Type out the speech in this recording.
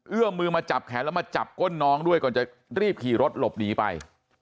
มือมาจับแขนแล้วมาจับก้นน้องด้วยก่อนจะรีบขี่รถหลบหนีไป